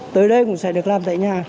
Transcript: tới đây cũng sẽ được làm tại nhà